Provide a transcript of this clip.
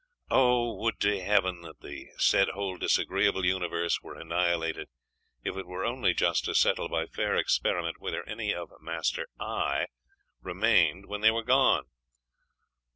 Oh, would to heaven that the said whole disagreeable universe were annihilated, if it were only just to settle by fair experiment whether any of master "I" remained when they were gone!